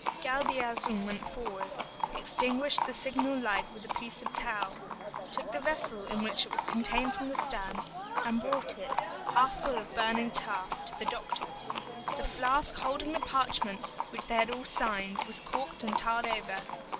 Galdeazun went forward, extinguished the signal light with a piece of tow, took the vessel in which it was contained from the stern, and brought it, half full of burning tar, to the doctor. The flask holding the parchment which they had all signed was corked and tarred over.